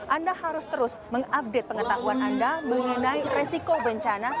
anda harus terus mengupdate pengetahuan anda mengenai resiko bencana